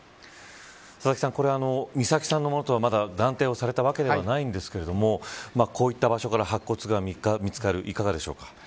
佐々木さん、これは美咲さんのものとはまだ断定はされたわけではないですがこういった場所から白骨化が見つかる、いかがでしょうか。